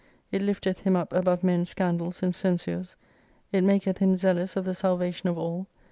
It lifteth him up above men's scandals and censures. It maketh him zealous of the salvation of all.